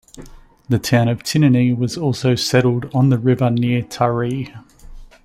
The town of Tinonee was also settled on the river near Taree.